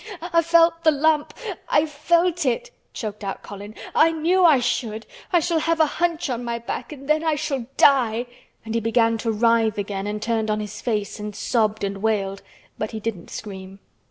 "I felt the lump—I felt it," choked out Colin. "I knew I should. I shall have a hunch on my back and then I shall die," and he began to writhe again and turned on his face and sobbed and wailed but he didn't scream.